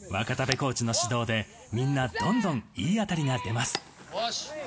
コーチの指導でみんな、どんどんいい当たりが出ます。